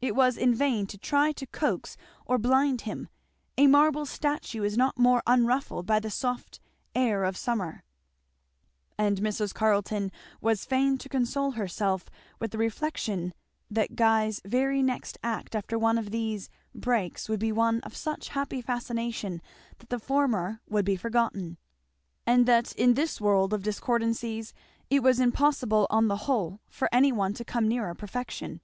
It was in vain to try to coax or blind him; a marble statue is not more unruffled by the soft air of summer; and Mrs. Carleton was fain to console herself with the reflection that Guy's very next act after one of these breaks would be one of such happy fascination that the former would be forgotten; and that in this world of discordancies it was impossible on the whole for any one to come nearer perfection.